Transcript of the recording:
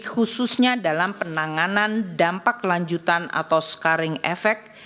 khususnya dalam penanganan dampak lanjutan atau scaring effect